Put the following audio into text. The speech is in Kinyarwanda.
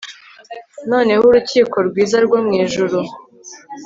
noneho urukiko rwiza rwo mwijuru